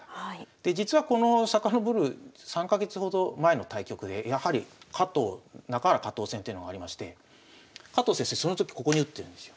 で実はこの遡る３か月ほど前の対局でやはり中原加藤戦というのがありまして加藤先生その時ここに打ってるんですよ。